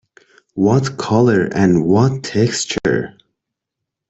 What colour, and what texture!